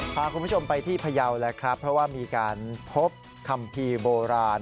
พาคุณผู้ชมไปที่พเยาว์เพราะว่ามีการพบคำพิโบราณ